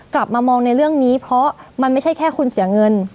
กลับมามองในเรื่องนี้เพราะมันไม่ใช่แค่คุณเสียเงิน